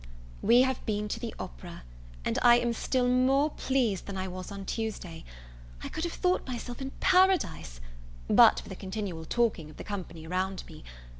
We have been to the opera, and I am still more pleased than I was on Tuesday. I could have thought myself in Paradise, but for the continual talking of the company around me.